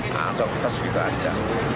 masuk terus gitu aja